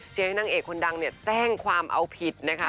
ให้นางเอกคนดังเนี่ยแจ้งความเอาผิดนะคะ